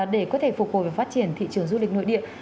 để có thể phục hồi và phát triển thị trường du lịch nội địa